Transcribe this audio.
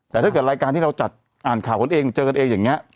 แต่ถ้าเกิดรายการที่เราจัดอ่านข่าวกันเองเจอกันเองอย่างนี้